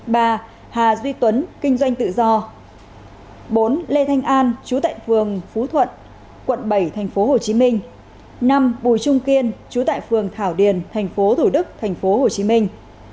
năm bùi trung kiên chú tại phường thảo điền thành phố thủ đức thành phố hồ chí minh